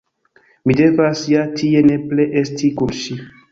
Mi devas ja tie nepre esti kun ŝi.